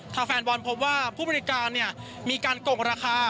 ถ้าแฟนบอลพบว่าผู้บริการมีการกงราคา